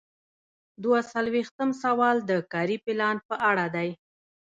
دوه څلویښتم سوال د کاري پلان په اړه دی.